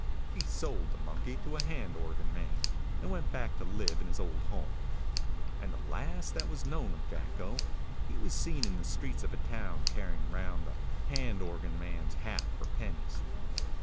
He sold the monkey to a hand organ man, and went back to live in his old home; and the last that was known of Jacko he was seen in the streets of a town carrying round the hand organ man's hat for pennies.